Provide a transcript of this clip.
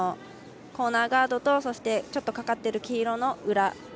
コーナーガードと、そしてちょっとかかっている黄色の裏。